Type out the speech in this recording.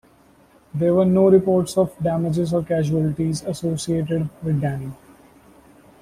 There were no reports of damages or casualties associated with Danny.